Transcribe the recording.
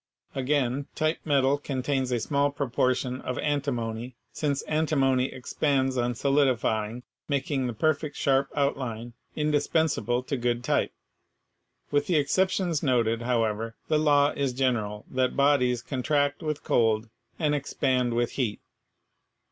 Again, type metal contains a small proportion of antimony, since antimony expands on solidifying, making the perfectly sharp outline indispensable to good type. With the exceptions noted, however, the law is general that bodies contract with cold, and expand with heat.